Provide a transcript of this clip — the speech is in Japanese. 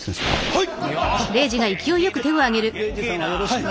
はい。